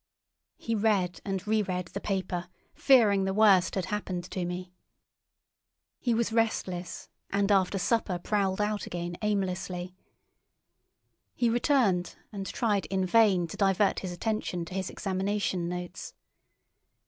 He read and re read the paper, fearing the worst had happened to me. He was restless, and after supper prowled out again aimlessly. He returned and tried in vain to divert his attention to his examination notes.